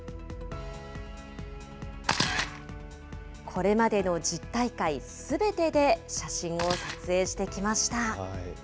これまでの１０大会すべてで写真を撮影してきました。